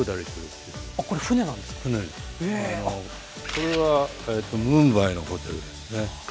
これはムンバイのホテルですね。